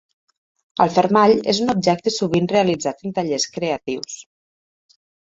El fermall és un objecte sovint realitzat en tallers creatius.